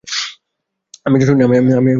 আমি একজন সৈনিক।